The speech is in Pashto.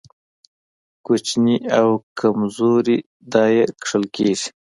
کوچني او کمزوري دا يې کښل کېږي.